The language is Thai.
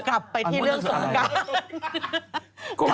กลับไปที่เรื่องสงการ